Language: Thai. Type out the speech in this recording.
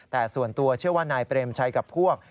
แต่ส่วนตัวเชื่อว่านายเปรมชัยกับพวก